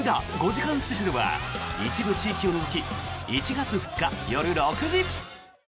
５時間スペシャルは一部地域を除き１月２日夜６時。